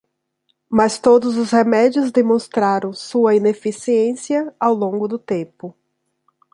Mas todos os remédios demonstraram sua ineficiência ao longo do tempo.